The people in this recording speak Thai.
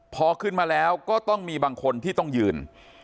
พอขึ้นมาแล้วก็ต้องมีบางคนที่ต้องยืน